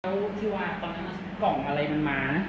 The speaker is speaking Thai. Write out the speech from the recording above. แล้วพี่ว่าตอนนั้นกล่องอะไรมันมา